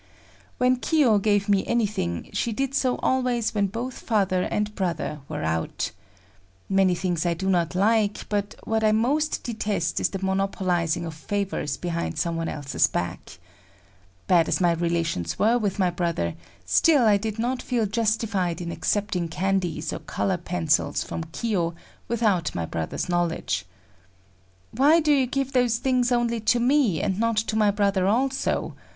When Kiyo gave me anything she did so always when both father and brother were out. Many things I do not like, but what I most detest is the monopolizing of favors behind some one else's back. Bad as my relations were with my brother, still I did not feel justified in accepting candies or color pencils from Kiyo without my brother's knowledge. "Why do you give those things only to me and not to my brother also?"